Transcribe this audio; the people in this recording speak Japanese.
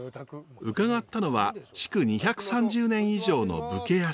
伺ったのは築２３０年以上の武家屋敷。